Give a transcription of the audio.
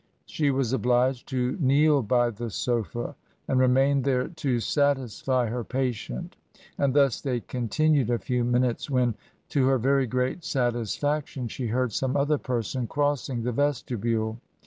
She was obliged to kneel by the sofa, and remain there to satisfy her patient, and thus they continued a few min utes, when, to her very great satisfaction, she heard some other person crossing the vestibule.